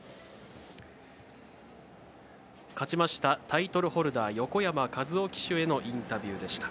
勝ちましたタイトルホルダー横山和生騎手へのインタビューでした。